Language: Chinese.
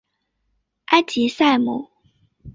埃吉赛姆。